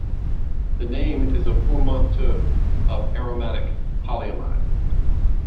The name is a portmanteau of "aromatic polyamide".